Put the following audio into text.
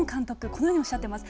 このようにおっしゃっています。